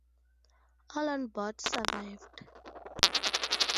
All on board survived.